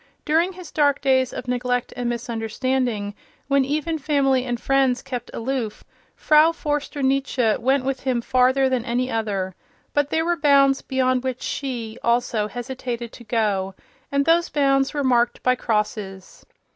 During his dark days of neglect and misunderstanding, when even family and friends kept aloof, Frau Förster Nietzsche went with him farther than any other, but there were bounds beyond which she, also, hesitated to go, and those bounds were marked by crosses.